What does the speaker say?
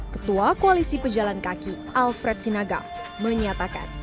ketua koalisi pejalan kaki alfred sinagam menyatakan